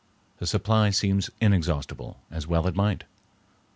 The supply seems inexhaustible, as well it might.